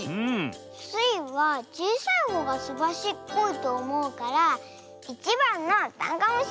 スイはちいさいほうがすばしっこいとおもうから１ばんのダンゴムシ！